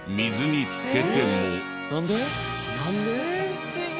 不思議。